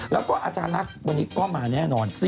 แล้วก็อาจารย์ลักษณ์วันนี้ก็มาแน่นอน